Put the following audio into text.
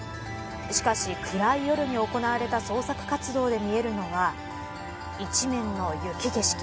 しかし、暗い夜に行われた捜索活動で見えるのは一面の雪景色。